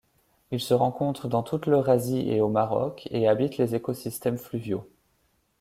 Ils se rencontrent dans toute l'Eurasie et au Maroc, et habitent les écosystèmes fluviaux.